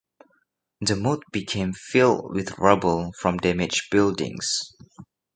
The moat became filled with rubble from damaged buildings.